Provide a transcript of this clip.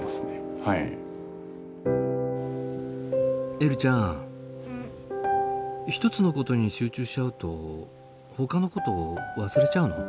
えるちゃん１つのことに集中しちゃうとほかのこと忘れちゃうの？